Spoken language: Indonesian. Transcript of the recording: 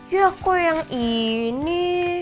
ya kok yang ini